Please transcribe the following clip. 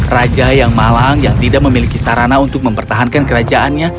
raja yang malang yang tidak memiliki sarana untuk mempertahankan kerajaannya